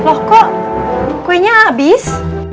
loh kok kuenya abis